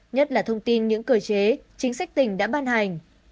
nhất là thông tin những cơ chế chính sách tỉnh đã ban hành